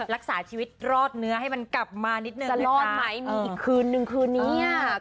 รักษาชีวิตรอดเนื้อให้มันกลับมานิดนึงจะรอดไหมมีอีกคืนนึงคืนนี้อ่ะ